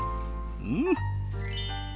うん！